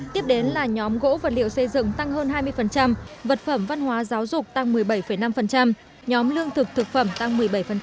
tiếp đến là nhóm gỗ vật liệu xây dựng tăng hơn hai mươi vật phẩm văn hóa giáo dục tăng một mươi bảy năm nhóm lương thực thực phẩm tăng một mươi bảy